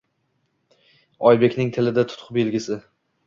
Oybekning tilida tutuq belgisi.